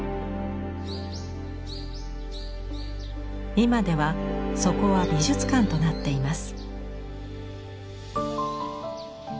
今ではそこは美術館となっています。